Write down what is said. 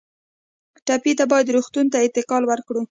ټپي ته باید روغتون ته انتقال ورکړو.